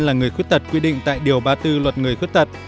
là người khuất tật quy định tại điều ba mươi bốn luật người khuất tật